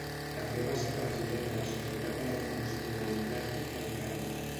També va ser president de la Societat de la Indústria del Plàstic del Canadà.